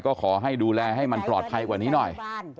ก็ขอให้ดูแลให้มันปลอดภัยกว่านี้หน่อย